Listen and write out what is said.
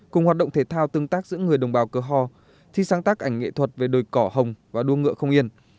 cùng hoạt động thể thao tương tác giữa người đồng bào cơ hò thi sáng tác ảnh nghệ thuật về đồi cỏ hồng và đua ngựa không yên